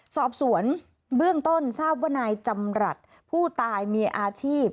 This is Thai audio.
สอบสวนเบื้องต้นทราบว่านายจำรัฐผู้ตายมีอาชีพ